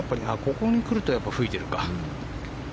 ここに来ると吹いているか。